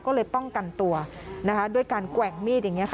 ก็เลยป้องกันตัวนะคะด้วยการแกว่งมีดอย่างนี้ค่ะ